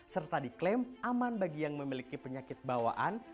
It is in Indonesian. serta diklaim aman bagi yang memiliki penyakit bawaan